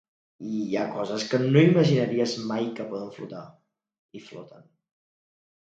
I hi ha coses que no imaginaries mai que poden flotar, i floten.